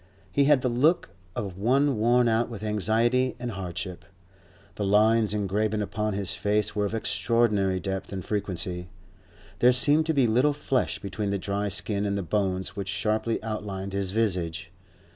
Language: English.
He had the look of one worn out with anxiety and hardship; the lines engraven upon his face were of extraordinary depth and frequency; there seemed to be little flesh between the dry skin and the bones which sharply outlined his visage.